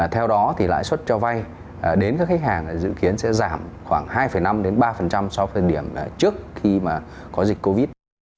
theo đó lãi suất cho vai đến các khách hàng dự kiến sẽ giảm khoảng hai năm ba so với điểm trước khi có dịch covid